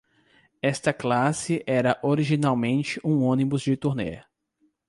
Esta classe era originalmente um ônibus de turnê.